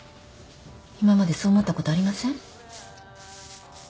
今までそう思ったことありません？